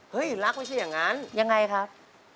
รักไม่ใช่อย่างนั้นยังไงครับ